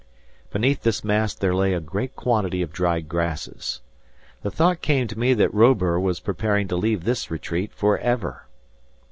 Beneath this mass there lay a great quantity of dried grasses. The thought came to me that Robur was preparing to leave this retreat forever!